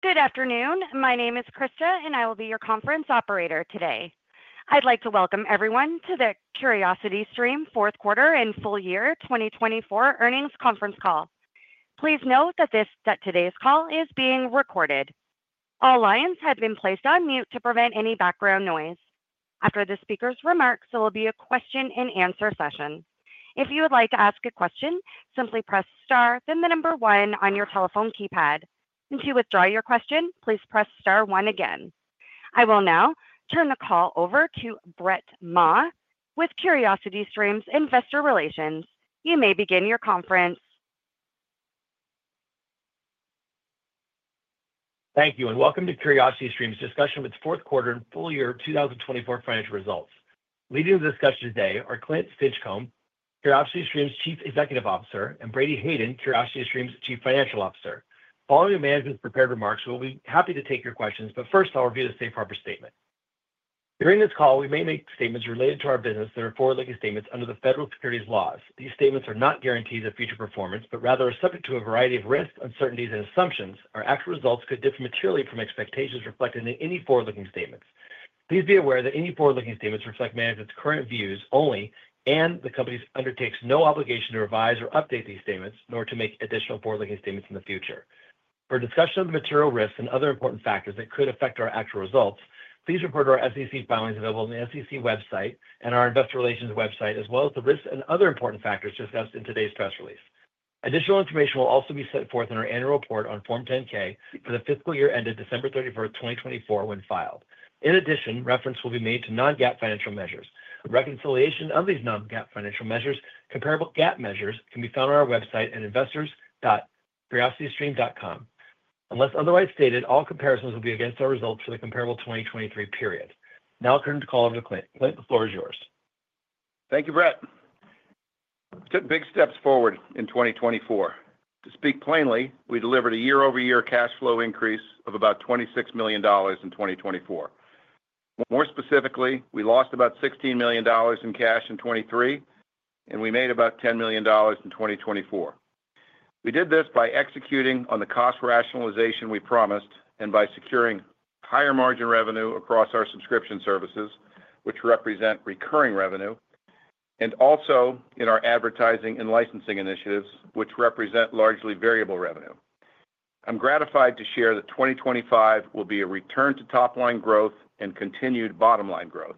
Good afternoon. My name is Krista, and I will be your conference operator today. I'd like to welcome everyone to the CuriosityStream fourth quarter and full year 2024 earnings conference call. Please note that today's call is being recorded. All lines have been placed on mute to prevent any background noise. After the speaker's remarks, there will be a question-and-answer session. If you would like to ask a question, simply press star then the number one on your telephone keypad. To withdraw your question, please press star one again. I will now turn the call over to Brett Maas with CuriosityStream's Investor Relations. You may begin your conference. Thank you, and welcome to CuriosityStream's discussion of its fourth quarter and full year 2024 financial results. Leading the discussion today are Clint Stinchcomb, CuriosityStream's Chief Executive Officer, and Brady Hayden, CuriosityStream's Chief Financial Officer. Following the management's prepared remarks, we'll be happy to take your questions, but first, I'll review the safe harbor statement. During this call, we may make statements related to our business that are forward-looking statements under the federal securities laws. These statements are not guarantees of future performance, but rather are subject to a variety of risks, uncertainties, and assumptions. Our actual results could differ materially from expectations reflected in any forward-looking statements. Please be aware that any forward-looking statements reflect management's current views only, and the company undertakes no obligation to revise or update these statements, nor to make additional forward-looking statements in the future. For discussion of the material risks and other important factors that could affect our actual results, please refer to our SEC filings available on the SEC website and our Investor Relations website, as well as the risks and other important factors discussed in today's press release. Additional information will also be set forth in our annual report on Form 10-K for the fiscal year ended December 31, 2024, when filed. In addition, reference will be made to non-GAAP financial measures. Reconciliation of these non-GAAP financial measures to comparable GAAP measures can be found on our website at investors.curiositystream.com. Unless otherwise stated, all comparisons will be against our results for the comparable 2023 period. Now, I'll turn the call over to Clint. Clint, the floor is yours. Thank you, Brett. We took big steps forward in 2024. To speak plainly, we delivered a year-over-year cash flow increase of about $26 million in 2024. More specifically, we lost about $16 million in cash in 2023, and we made about $10 million in 2024. We did this by executing on the cost rationalization we promised and by securing higher margin revenue across our subscription services, which represent recurring revenue, and also in our advertising and licensing initiatives, which represent largely variable revenue. I'm gratified to share that 2025 will be a return to top-line growth and continued bottom-line growth.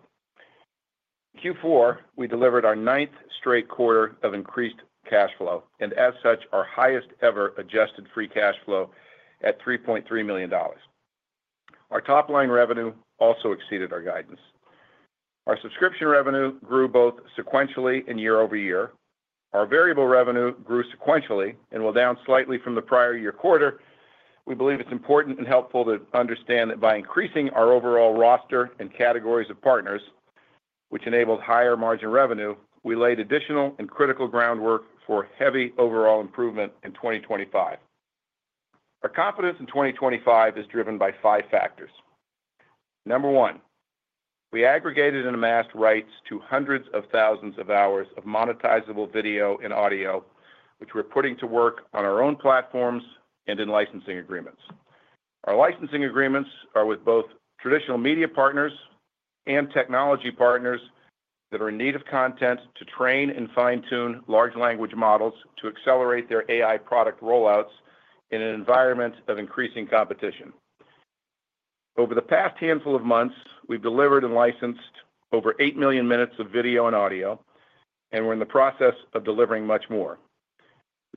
In Q4, we delivered our ninth straight quarter of increased cash flow and, as such, our highest-ever adjusted free cash flow at $3.3 million. Our top-line revenue also exceeded our guidance. Our subscription revenue grew both sequentially and year-over-year. Our variable revenue grew sequentially and was down slightly from the prior year quarter. We believe it's important and helpful to understand that by increasing our overall roster and categories of partners, which enabled higher margin revenue, we laid additional and critical groundwork for heavy overall improvement in 2025. Our confidence in 2025 is driven by five factors. Number one, we aggregated and amassed rights to hundreds of thousands of hours of monetizable video and audio, which we're putting to work on our own platforms and in licensing agreements. Our licensing agreements are with both traditional media partners and technology partners that are in need of content to train and fine-tune large language models to accelerate their AI product rollouts in an environment of increasing competition. Over the past handful of months, we've delivered and licensed over 8 million minutes of video and audio, and we're in the process of delivering much more.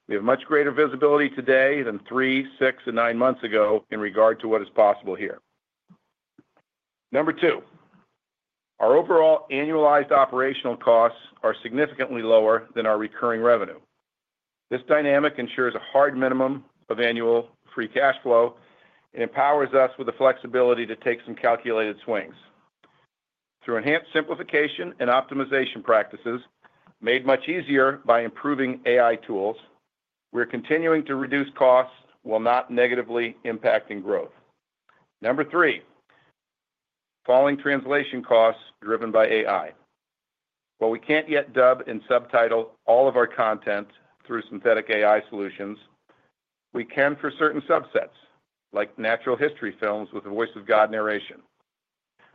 We have much greater visibility today than three, six, and nine months ago in regard to what is possible here. Number two, our overall annualized operational costs are significantly lower than our recurring revenue. This dynamic ensures a hard minimum of annual free cash flow and empowers us with the flexibility to take some calculated swings. Through enhanced simplification and optimization practices, made much easier by improving AI tools, we're continuing to reduce costs while not negatively impacting growth. Number three, falling translation costs driven by AI. While we can't yet dub and subtitle all of our content through synthetic AI solutions, we can for certain subsets, like natural history films with the voice of God narration.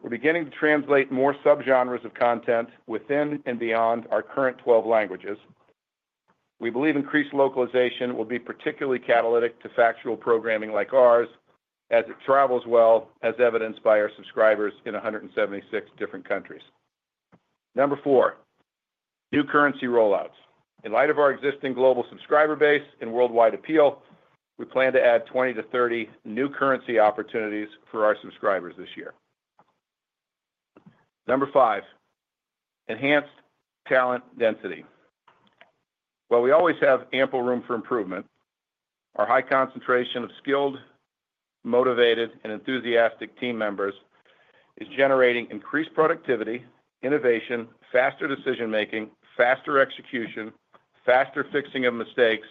We're beginning to translate more subgenres of content within and beyond our current 12 languages. We believe increased localization will be particularly catalytic to factual programming like ours, as it travels well, as evidenced by our subscribers in 176 different countries. Number four, new currency rollouts. In light of our existing global subscriber base and worldwide appeal, we plan to add 20-30 new currency opportunities for our subscribers this year. Number five, enhanced talent density. While we always have ample room for improvement, our high concentration of skilled, motivated, and enthusiastic team members is generating increased productivity, innovation, faster decision-making, faster execution, faster fixing of mistakes,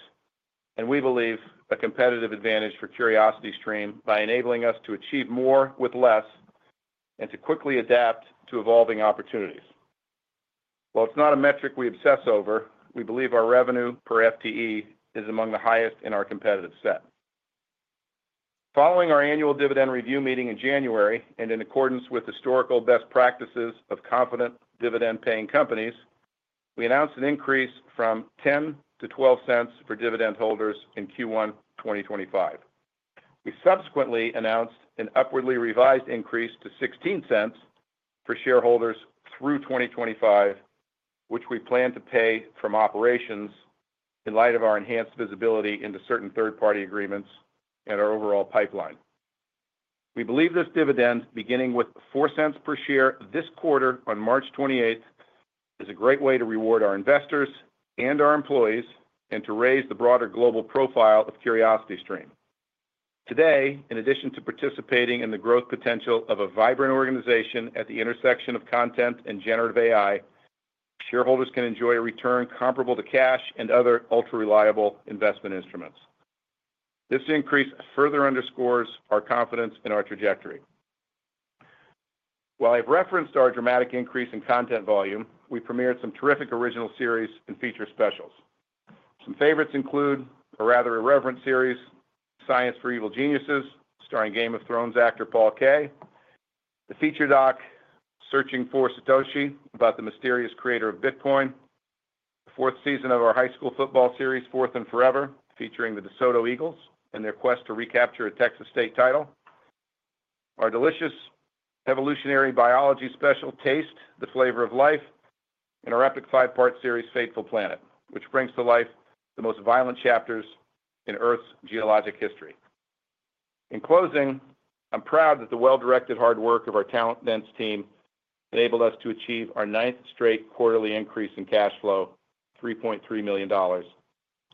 and we believe a competitive advantage for CuriosityStream by enabling us to achieve more with less and to quickly adapt to evolving opportunities. While it's not a metric we obsess over, we believe our revenue per FTE is among the highest in our competitive set. Following our annual dividend review meeting in January and in accordance with historical best practices of confident dividend-paying companies, we announced an increase from $0.10 to $0.12 for dividend holders in Q1 2025. We subsequently announced an upwardly revised increase to $0.16 for shareholders through 2025, which we plan to pay from operations in light of our enhanced visibility into certain third-party agreements and our overall pipeline. We believe this dividend, beginning with $0.04 per share this quarter on March 28th, is a great way to reward our investors and our employees and to raise the broader global profile of CuriosityStream. Today, in addition to participating in the growth potential of a vibrant organization at the intersection of content and generative AI, shareholders can enjoy a return comparable to cash and other ultra-reliable investment instruments. This increase further underscores our confidence in our trajectory. While I've referenced our dramatic increase in content volume, we premiered some terrific original series and feature specials. Some favorites include a rather irreverent series, Science for Evil Geniuses, starring Game of Thrones actor Paul Kaye; the feature doc, Searching for Satoshi, about the mysterious creator of Bitcoin; the fourth season of our high school football series, 4th and Forever, featuring the DeSoto Eagles and their quest to recapture a Texas state title; our delicious evolutionary biology special, Taste: The Flavor of Life; and our epic five-part series, Fateful Planet, which brings to life the most violent chapters in Earth's geologic history. In closing, I'm proud that the well-directed hard work of our talent-dense team enabled us to achieve our ninth straight quarterly increase in cash flow, $3.3 million,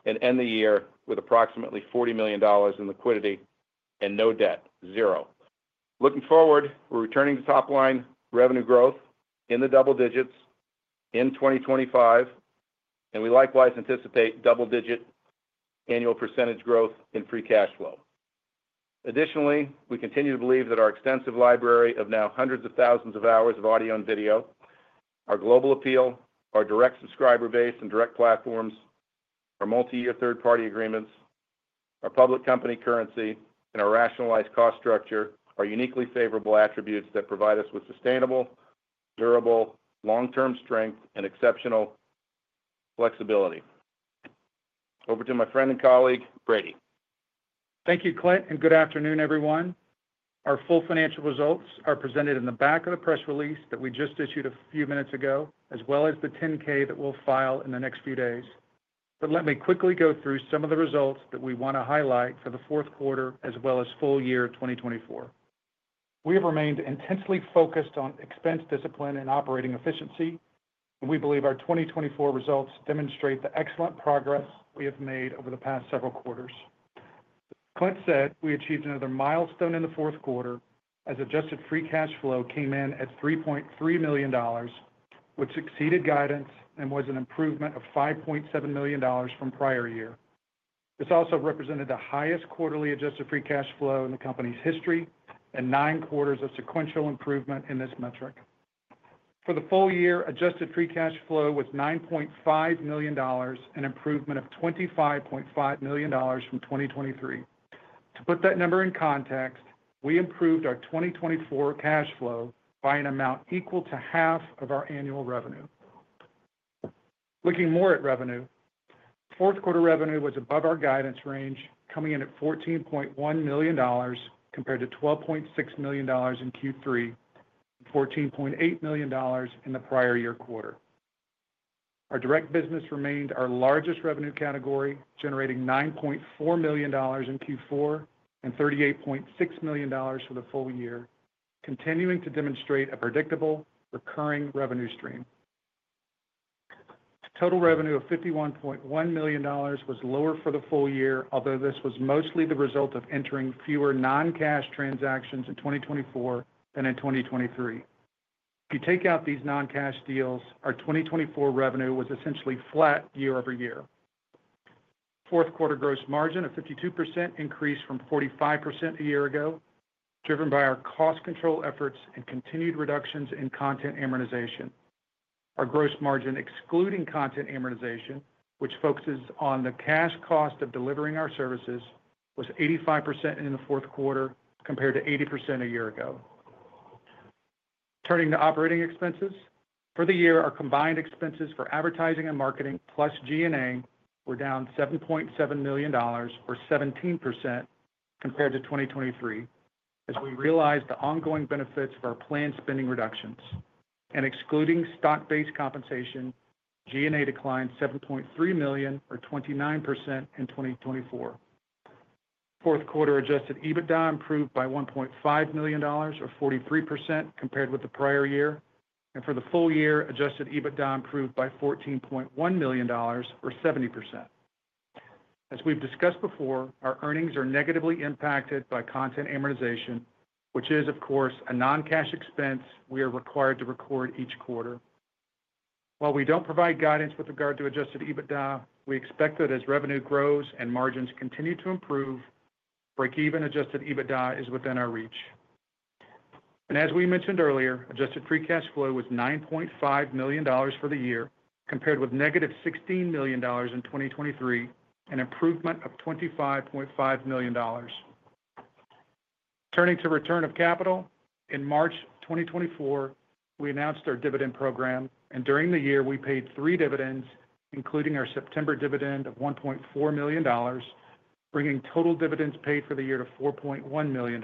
and end the year with approximately $40 million in liquidity and no debt, zero. Looking forward, we're returning to top-line revenue growth in the double digits in 2025, and we likewise anticipate double-digit annual % growth in free cash flow. Additionally, we continue to believe that our extensive library of now hundreds of thousands of hours of audio and video, our global appeal, our direct subscriber base and direct platforms, our multi-year third-party agreements, our public company currency, and our rationalized cost structure are uniquely favorable attributes that provide us with sustainable, durable, long-term strength, and exceptional flexibility. Over to my friend and colleague, Brady. Thank you, Clint, and good afternoon, everyone. Our full financial results are presented in the back of the press release that we just issued a few minutes ago, as well as the 10-K that we will file in the next few days. Let me quickly go through some of the results that we want to highlight for the fourth quarter, as well as full year 2024. We have remained intensely focused on expense discipline and operating efficiency, and we believe our 2024 results demonstrate the excellent progress we have made over the past several quarters. Clint said we achieved another milestone in the fourth quarter as adjusted free cash flow came in at $3.3 million, which exceeded guidance and was an improvement of $5.7 million from prior year. This also represented the highest quarterly adjusted free cash flow in the company's history and nine quarters of sequential improvement in this metric. For the full year, adjusted free cash flow was $9.5 million and an improvement of $25.5 million from 2023. To put that number in context, we improved our 2024 cash flow by an amount equal to half of our annual revenue. Looking more at revenue, fourth quarter revenue was above our guidance range, coming in at $14.1 million compared to $12.6 million in Q3 and $14.8 million in the prior year quarter. Our direct business remained our largest revenue category, generating $9.4 million in Q4 and $38.6 million for the full year, continuing to demonstrate a predictable, recurring revenue stream. Total revenue of $51.1 million was lower for the full year, although this was mostly the result of entering fewer non-cash transactions in 2024 than in 2023. If you take out these non-cash deals, our 2024 revenue was essentially flat year over year. Fourth quarter gross margin of 52% increased from 45% a year ago, driven by our cost control efforts and continued reductions in content amortization. Our gross margin, excluding content amortization, which focuses on the cash cost of delivering our services, was 85% in the fourth quarter compared to 80% a year ago. Turning to operating expenses, for the year, our combined expenses for advertising and marketing, plus G&A, were down $7.7 million, or 17%, compared to 2023, as we realized the ongoing benefits of our planned spending reductions. Excluding stock-based compensation, G&A declined $7.3 million, or 29%, in 2024. Fourth quarter adjusted EBITDA improved by $1.5 million, or 43%, compared with the prior year. For the full year, adjusted EBITDA improved by $14.1 million, or 70%. As we've discussed before, our earnings are negatively impacted by content amortization, which is, of course, a non-cash expense we are required to record each quarter. While we don't provide guidance with regard to adjusted EBITDA, we expect that as revenue grows and margins continue to improve, break-even adjusted EBITDA is within our reach. As we mentioned earlier, adjusted free cash flow was $9.5 million for the year, compared with negative $16 million in 2023 and an improvement of $25.5 million. Turning to return of capital, in March 2024, we announced our dividend program, and during the year, we paid three dividends, including our September dividend of $1.4 million, bringing total dividends paid for the year to $4.1 million.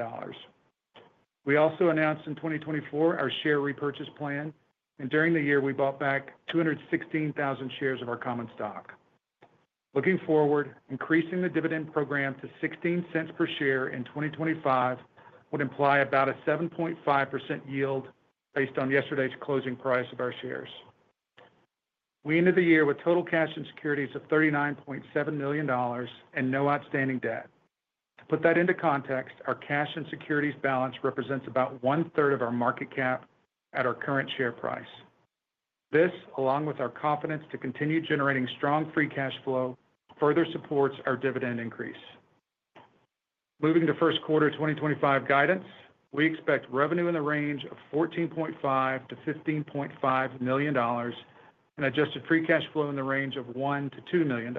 We also announced in 2024 our share repurchase plan, and during the year, we bought back 216,000 shares of our common stock. Looking forward, increasing the dividend program to $0.16 per share in 2025 would imply about a 7.5% yield based on yesterday's closing price of our shares. We ended the year with total cash and securities of $39.7 million and no outstanding debt. To put that into context, our cash and securities balance represents about one-third of our market cap at our current share price. This, along with our confidence to continue generating strong free cash flow, further supports our dividend increase. Moving to first quarter 2025 guidance, we expect revenue in the range of $14.5-$15.5 million and adjusted free cash flow in the range of $1-$2 million.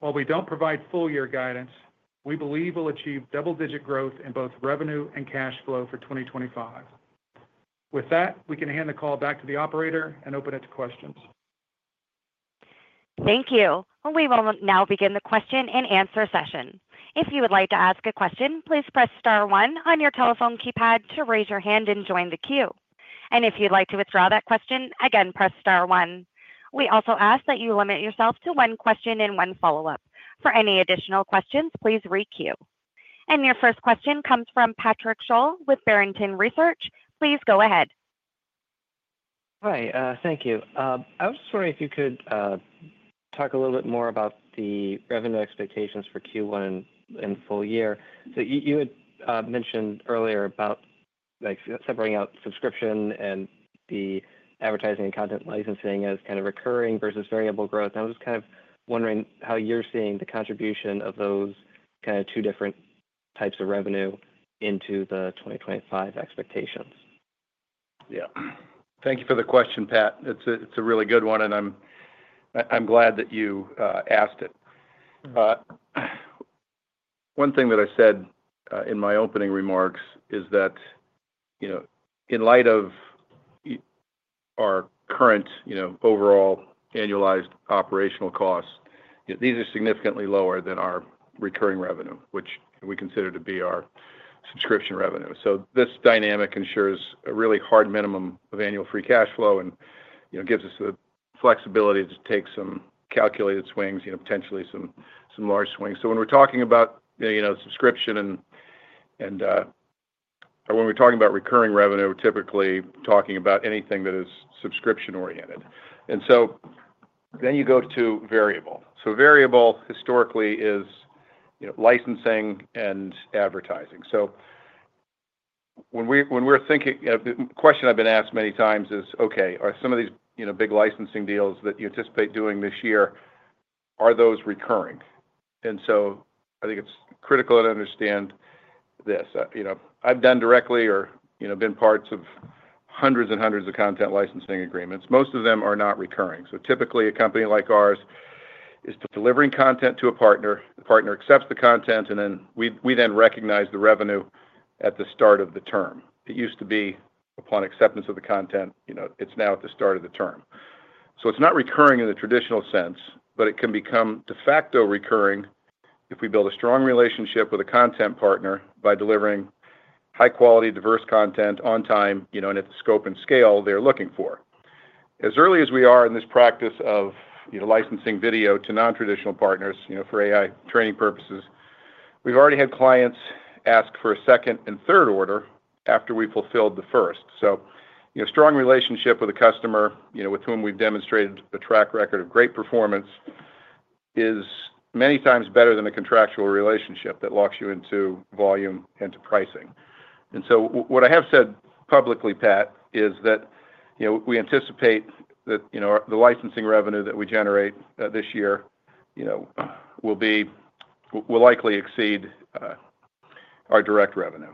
While we do not provide full-year guidance, we believe we will achieve double-digit growth in both revenue and cash flow for 2025. With that, we can hand the call back to the operator and open it to questions. Thank you. We will now begin the question and answer session. If you would like to ask a question, please press star one on your telephone keypad to raise your hand and join the queue. If you'd like to withdraw that question, again, press star one. We also ask that you limit yourself to one question and one follow-up. For any additional questions, please re-queue. Your first question comes from Patrick Sholl with Barrington Research. Please go ahead. Hi. Thank you. I was just wondering if you could talk a little bit more about the revenue expectations for Q1 and full year. You had mentioned earlier about separating out subscription and the advertising and content licensing as kind of recurring versus variable growth. I was just kind of wondering how you're seeing the contribution of those kind of two different types of revenue into the 2025 expectations. Yeah. Thank you for the question, Pat. It's a really good one, and I'm glad that you asked it. One thing that I said in my opening remarks is that in light of our current overall annualized operational costs, these are significantly lower than our recurring revenue, which we consider to be our subscription revenue. This dynamic ensures a really hard minimum of annual free cash flow and gives us the flexibility to take some calculated swings, potentially some large swings. When we're talking about subscription and when we're talking about recurring revenue, we're typically talking about anything that is subscription-oriented. You go to variable. Variable historically is licensing and advertising. When we're thinking, the question I've been asked many times is, "Okay, are some of these big licensing deals that you anticipate doing this year, are those recurring?" I think it's critical to understand this. I've done directly or been part of hundreds and hundreds of content licensing agreements. Most of them are not recurring. Typically, a company like ours is delivering content to a partner. The partner accepts the content, and then we recognize the revenue at the start of the term. It used to be upon acceptance of the content. It's now at the start of the term. It's not recurring in the traditional sense, but it can become de facto recurring if we build a strong relationship with a content partner by delivering high-quality, diverse content on time and at the scope and scale they're looking for. As early as we are in this practice of licensing video to non-traditional partners for AI training purposes, we've already had clients ask for a second and third order after we fulfilled the first. A strong relationship with a customer with whom we've demonstrated a track record of great performance is many times better than a contractual relationship that locks you into volume and to pricing. What I have said publicly, Pat, is that we anticipate that the licensing revenue that we generate this year will likely exceed our direct revenue.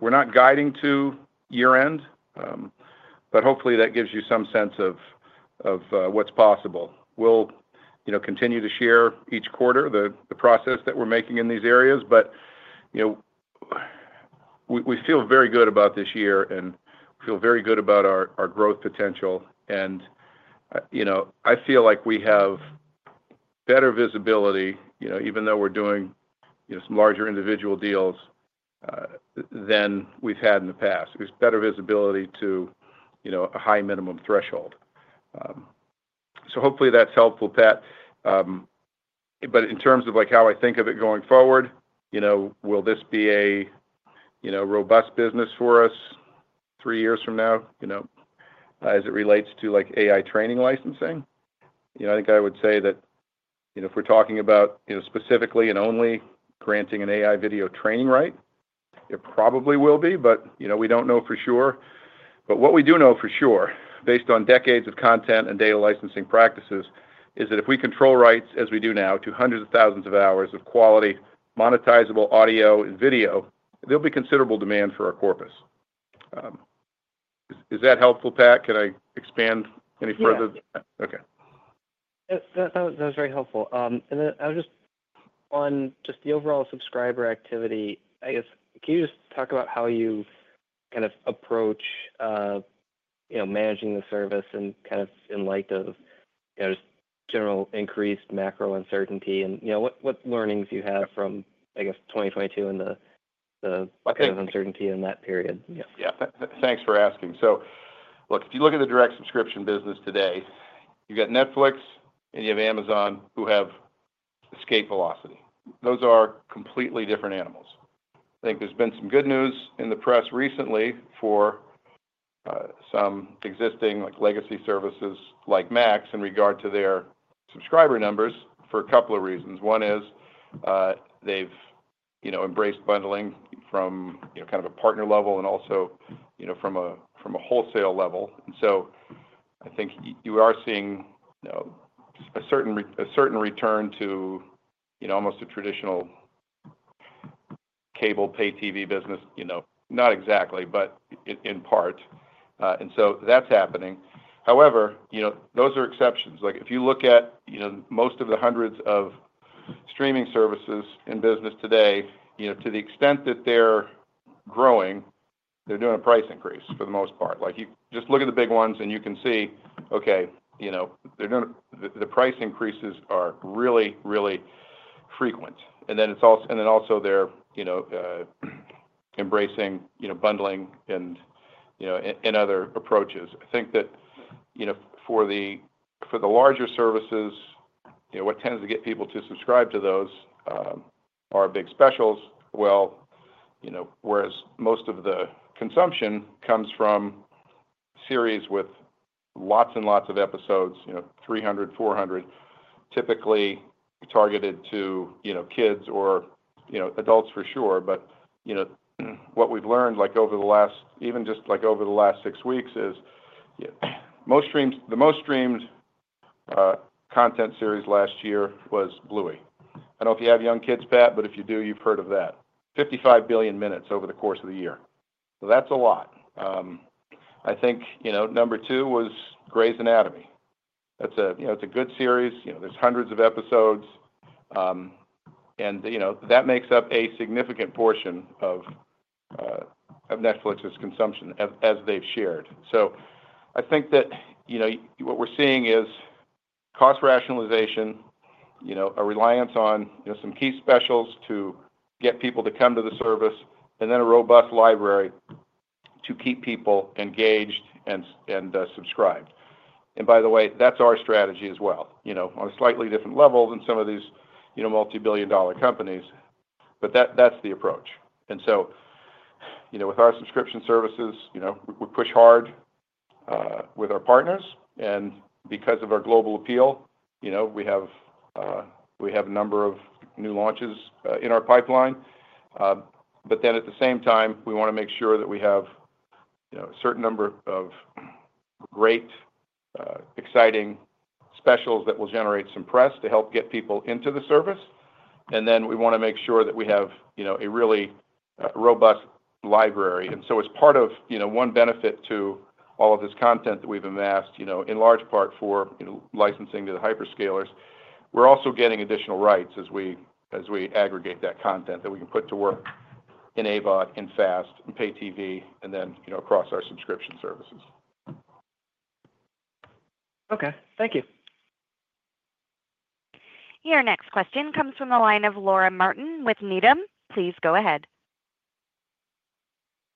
We're not guiding to year-end, but hopefully that gives you some sense of what's possible. We'll continue to share each quarter the process that we're making in these areas, but we feel very good about this year and feel very good about our growth potential. I feel like we have better visibility, even though we're doing some larger individual deals than we've had in the past. There's better visibility to a high minimum threshold. Hopefully that's helpful, Pat. In terms of how I think of it going forward, will this be a robust business for us three years from now as it relates to AI training licensing? I think I would say that if we're talking about specifically and only granting an AI video training right, it probably will be, but we don't know for sure. What we do know for sure, based on decades of content and data licensing practices, is that if we control rights, as we do now, to hundreds of thousands of hours of quality monetizable audio and video, there'll be considerable demand for our corpus. Is that helpful, Pat? Can I expand any further? Yes. That was very helpful. I was just on just the overall subscriber activity. I guess, can you just talk about how you kind of approach managing the service and kind of in light of just general increased macro uncertainty and what learnings you have from, I guess, 2022 and the uncertainty in that period? Yeah. Thanks for asking. Look, if you look at the direct subscription business today, you've got Netflix and you have Amazon who have escape velocity. Those are completely different animals. I think there's been some good news in the press recently for some existing legacy services like Max in regard to their subscriber numbers for a couple of reasons. One is they've embraced bundling from kind of a partner level and also from a wholesale level. I think you are seeing a certain return to almost a traditional cable pay TV business, not exactly, but in part. That's happening. However, those are exceptions. If you look at most of the hundreds of streaming services in business today, to the extent that they're growing, they're doing a price increase for the most part. Just look at the big ones and you can see, okay, the price increases are really, really frequent. Also, they're embracing bundling and other approaches. I think that for the larger services, what tends to get people to subscribe to those are big specials, whereas most of the consumption comes from series with lots and lots of episodes, 300, 400, typically targeted to kids or adults for sure. What we've learned over the last, even just over the last six weeks is the most streamed content series last year was Bluey. I don't know if you have young kids, Pat, but if you do, you've heard of that. 55 billion minutes over the course of the year. That's a lot. I think number two was Grey's Anatomy. It's a good series. There's hundreds of episodes. That makes up a significant portion of Netflix's consumption as they've shared. I think that what we're seeing is cost rationalization, a reliance on some key specials to get people to come to the service, and then a robust library to keep people engaged and subscribed. By the way, that's our strategy as well on a slightly different level than some of these multi-billion dollar companies. That's the approach. With our subscription services, we push hard with our partners. Because of our global appeal, we have a number of new launches in our pipeline. At the same time, we want to make sure that we have a certain number of great, exciting specials that will generate some press to help get people into the service. We want to make sure that we have a really robust library. As part of one benefit to all of this content that we've amassed, in large part for licensing to the hyperscalers, we're also getting additional rights as we aggregate that content that we can put to work in AVOD, in FAST, in pay TV, and then across our subscription services. Okay. Thank you. Your next question comes from the line of Laura Martin with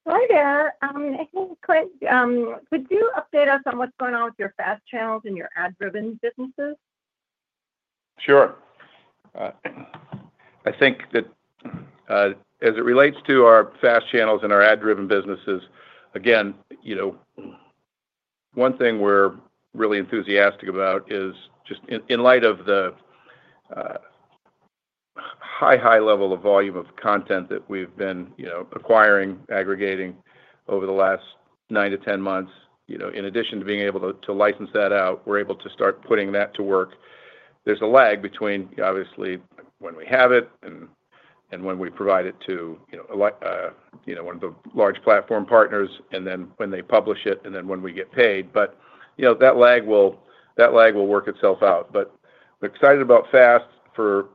Needham. Please go ahead. Hi there. Hey, Clint, could you update us on what's going on with your FAST channels and your ad-driven businesses? Sure. I think that as it relates to our FAST channels and our ad-driven businesses, again, one thing we're really enthusiastic about is just in light of the high, high level of volume of content that we've been acquiring, aggregating over the last nine to ten months, in addition to being able to license that out, we're able to start putting that to work. There is a lag between, obviously, when we have it and when we provide it to one of the large platform partners, and then when they publish it, and then when we get paid. That lag will work itself out. We are excited about FAST for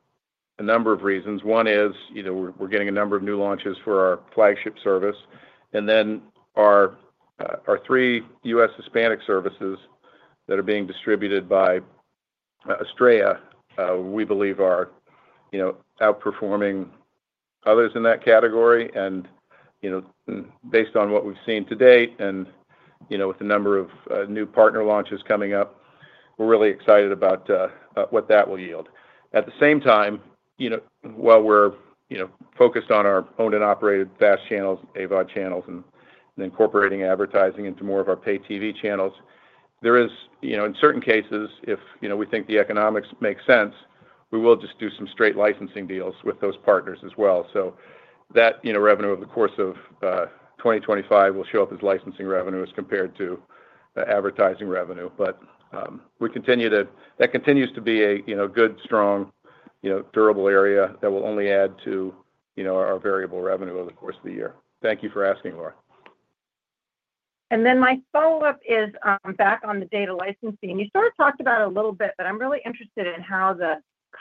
a number of reasons. One is we are getting a number of new launches for our flagship service. Our three U.S. Hispanic services that are being distributed by Estrella we believe are outperforming others in that category. Based on what we've seen to date and with the number of new partner launches coming up, we're really excited about what that will yield. At the same time, while we're focused on our owned and operated FAST channels, AVOD channels, and incorporating advertising into more of our pay TV channels, there is, in certain cases, if we think the economics make sense, we will just do some straight licensing deals with those partners as well. That revenue over the course of 2025 will show up as licensing revenue as compared to advertising revenue. That continues to be a good, strong, durable area that will only add to our variable revenue over the course of the year. Thank you for asking, Laura. My follow-up is back on the data licensing. You sort of talked about it a little bit, but I'm really interested in how the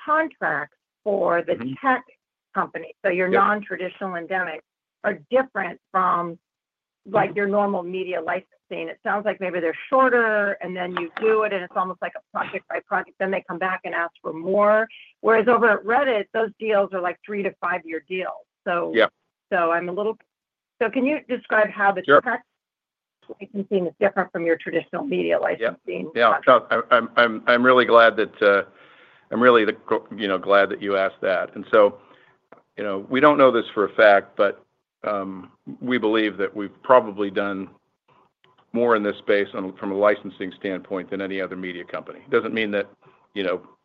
contracts for the tech companies, so your non-traditional endemics, are different from your normal media licensing. It sounds like maybe they're shorter, and then you do it, and it's almost like a project by project. Then they come back and ask for more. Whereas over at Reddit, those deals are like three to five-year deals. I'm a little—can you describe how the tech licensing is different from your traditional media licensing? Yeah. I'm really glad that you asked that. We don't know this for a fact, but we believe that we've probably done more in this space from a licensing standpoint than any other media company. It doesn't mean that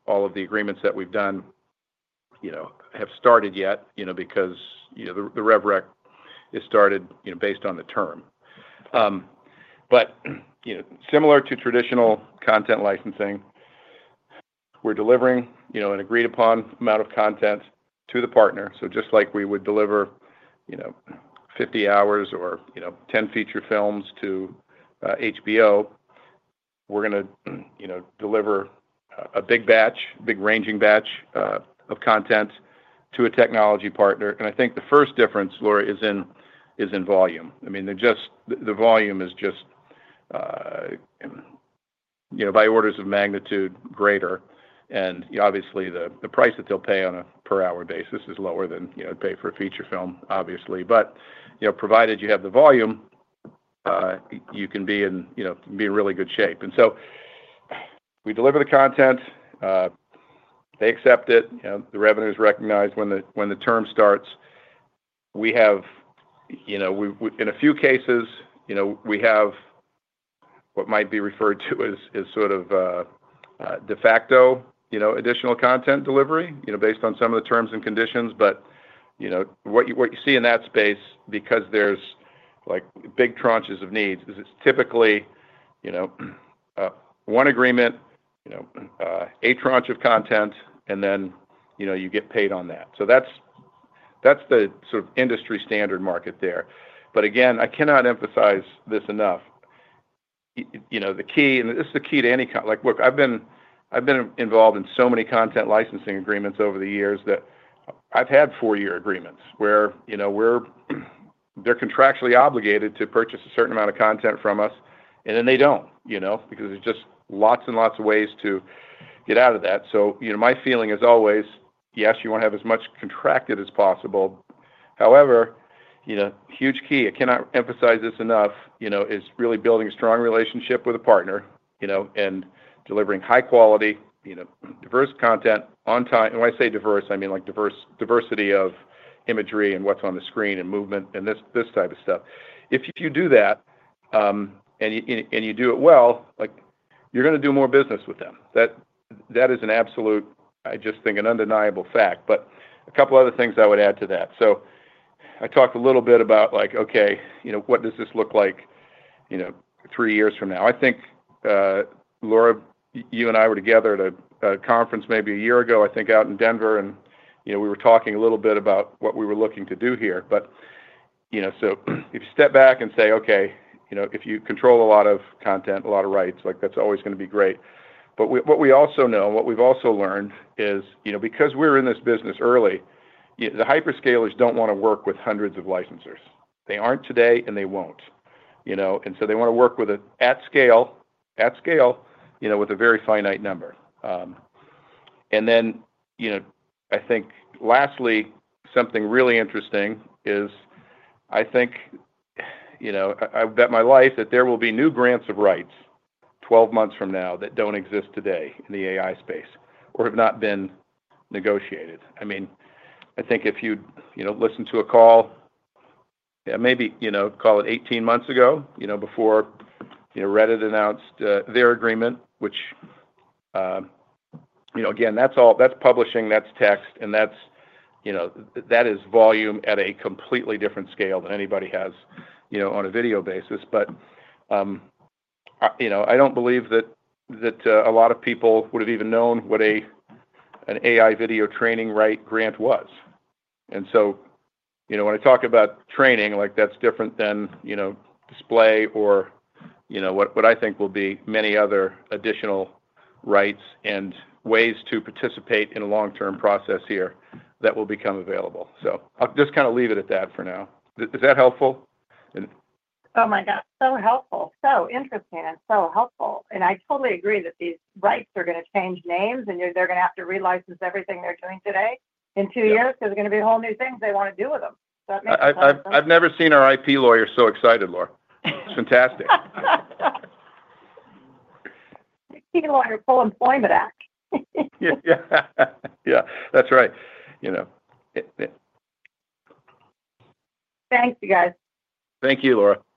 all of the agreements that we've done have started yet because the rubric is started based on the term. Similar to traditional content licensing, we're delivering an agreed-upon amount of content to the partner. Just like we would deliver 50 hours or 10 feature films to HBO, we're going to deliver a big batch, a big ranging batch of content to a technology partner. I think the first difference, Laura, is in volume. I mean, the volume is just by orders of magnitude greater. Obviously, the price that they'll pay on a per-hour basis is lower than pay for a feature film, obviously. Provided you have the volume, you can be in really good shape. We deliver the content. They accept it. The revenue is recognized when the term starts. In a few cases, we have what might be referred to as sort of de facto additional content delivery based on some of the terms and conditions. What you see in that space, because there's big tranches of needs, is it's typically one agreement, a tranche of content, and then you get paid on that. That's the sort of industry standard market there. Again, I cannot emphasize this enough. The key—and this is the key to any—look, I've been involved in so many content licensing agreements over the years that I've had four-year agreements where they're contractually obligated to purchase a certain amount of content from us, and then they don't because there's just lots and lots of ways to get out of that. My feeling is always, yes, you want to have as much contracted as possible. However, huge key—I cannot emphasize this enough—is really building a strong relationship with a partner and delivering high-quality, diverse content on time. When I say diverse, I mean diversity of imagery and what's on the screen and movement and this type of stuff. If you do that and you do it well, you're going to do more business with them. That is an absolute, I just think, an undeniable fact. A couple of other things I would add to that. I talked a little bit about, okay, what does this look like three years from now? I think, Laura, you and I were together at a conference maybe a year ago, I think, out in Denver, and we were talking a little bit about what we were looking to do here. If you step back and say, okay, if you control a lot of content, a lot of rights, that's always going to be great. What we also know and what we've also learned is because we're in this business early, the hyperscalers do not want to work with hundreds of licensers. They are not today, and they will not. They want to work with it at scale, at scale with a very finite number. I think lastly, something really interesting is I think I bet my life that there will be new grants of rights 12 months from now that do not exist today in the AI space or have not been negotiated. I mean, I think if you listen to a call, maybe call it 18 months ago before Reddit announced their agreement, which, again, that is publishing, that is text, and that is volume at a completely different scale than anybody has on a video basis. I do not believe that a lot of people would have even known what an AI video training grant was. When I talk about training, that is different than display or what I think will be many other additional rights and ways to participate in a long-term process here that will become available. I will just kind of leave it at that for now. Is that helpful? Oh my gosh, so helpful. So interesting and so helpful. I totally agree that these rights are going to change names, and they're going to have to relicense everything they're doing today in two years because there's going to be a whole new thing they want to do with them. Does that make sense? I've never seen our IP lawyer so excited, Laura. It's fantastic. IP Lawyer Full Employment Act. Yeah. Yeah. That's right. Thanks, you guys. Thank you, Laura. Anyway.